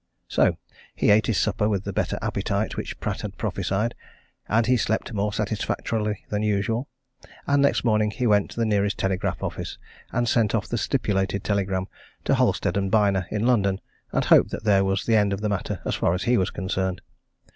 So he ate his supper with the better appetite which Pratt had prophesied, and he slept more satisfactorily than usual, and next morning he went to the nearest telegraph office and sent off the stipulated telegram to Halstead & Byner in London, and hoped that there was the end of the matter as far as he was concerned.